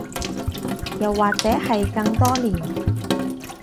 又或者係更多年